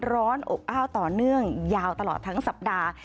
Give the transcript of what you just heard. ร้อนอบอ้าวต่อเนื่องยาวตลอดทั้งสัปดาห์